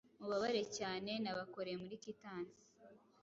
Mubabare cyane Nabakoreyemuri quittance